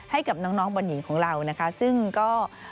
ให้กับน้องบอลหญิงของเรานะคะซึ่งก็